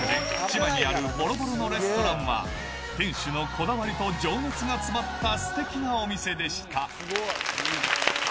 千葉にあるぼろぼろのレストランは、店主のこだわりと情熱が詰まったすてきなお店でした。